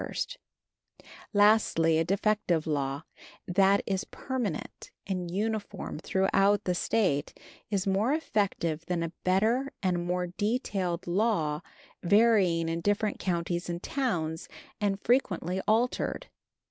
Lastly, a defective law, that is permanent and uniform throughout the State, is more effective than a better and more detailed law varying in different counties and towns, and frequently altered.